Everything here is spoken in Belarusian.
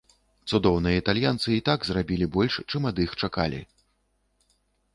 Цудоўныя італьянцы і так зрабілі больш, чым ад іх чакалі.